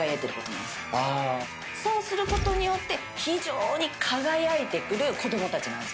そうすることで非常に輝いてくる子供たちなんですよ。